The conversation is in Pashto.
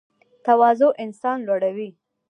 تواضع انسان لوړوي